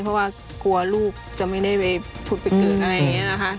เพราะว่ากลัวลูกจะไม่ได้ไปผุดไปเกิดอะไรอย่างนี้นะคะ